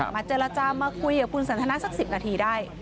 มาเจรจามาคุยกับคุณสันทนาสัก๑๐นาทีได้